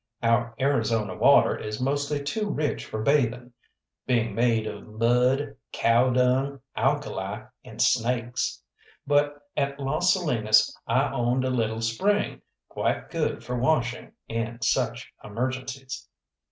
Our Arizona water is mostly too rich for bathing, being made of mud, cow dung, alkali, and snakes; but at Las Salinas I owned a little spring, quite good for washing and such emergencies.